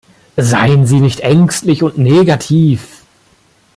Seien Sie nicht ängstlich und negativ!